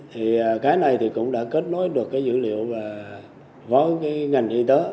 thì cái này cũng đã kết nối được dữ liệu với ngành y tế